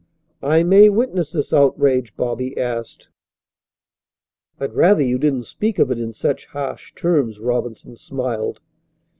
"I may witness this outrage?" Bobby asked. "I'd rather you didn't speak of it in such harsh terms," Robinson smiled.